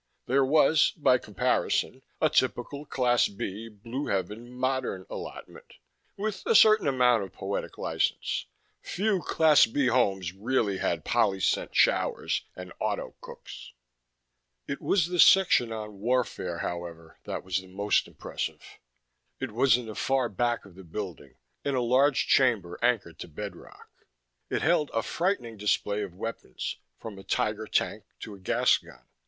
There was, by comparison, a typical Class B Blue Heaven modern allotment with a certain amount of poetic license; few Class B homes really had polyscent showers and auto cooks. It was the section on warfare, however, that was most impressive. It was in the far back of the building, in a large chamber anchored to bedrock. It held a frightening display of weapons, from a Tiger Tank to a gas gun.